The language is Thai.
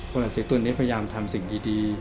ราศีตุลนี้พยายามทำสิ่งดี